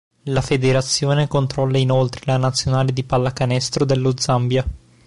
La federazione controlla inoltre la nazionale di pallacanestro dello Zambia.